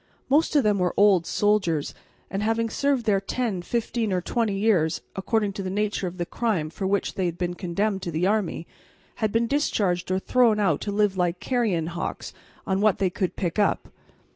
Most of them were old soldiers, who, having served their ten, fifteen, or twenty years, according to the nature of the crime for which they had been condemned to the army, had been discharged or thrown out to live like carrion hawks on what they could pick up.